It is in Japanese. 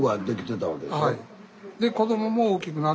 はい。